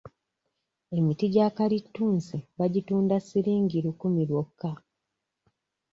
Emiti gya kalitunsi bagitunda siringi lukumi lwokka.